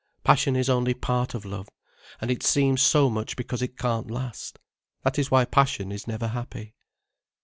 "Passion is only part of love. And it seems so much because it can't last. That is why passion is never happy."